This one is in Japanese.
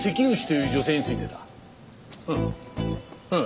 うん。